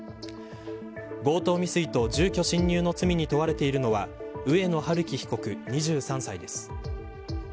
強盗未遂と住居侵入の罪に問われているのは上野晴生被告２３歳です。